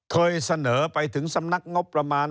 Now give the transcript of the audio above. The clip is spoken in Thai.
เคยเสนอไปถึงสำนักงบประมาณ